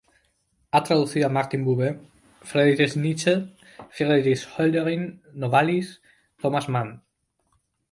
Ha traducido a Martin Buber, Friedrich Nietzsche, Friedrich Hölderlin, Novalis, Thomas Mann.